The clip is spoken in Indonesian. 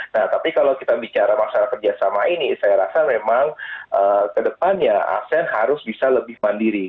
nah tapi kalau kita bicara masalah kerjasama ini saya rasa memang kedepannya asean harus bisa lebih mandiri